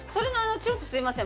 ちょっとすいません。